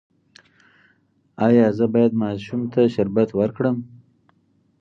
ایا زه باید ماشوم ته شربت ورکړم؟